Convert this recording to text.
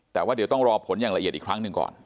แต่ว่าเดี๋ยวต้องรอผลอย่างละเอียดอีกครั้งหนึ่งก่อน